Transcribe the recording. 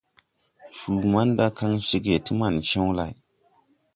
Cuu manda kan ceege ti man cew lay.